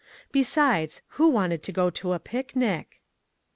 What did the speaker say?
Besides, who wanted to go to a picnic?